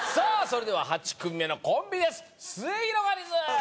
それでは８組目のコンビです